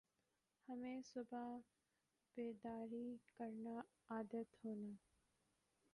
ہمیں صبح بیداری کرنا عادت ہونا